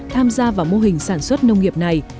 tham gia vào mô hình sản xuất nông nghiệp này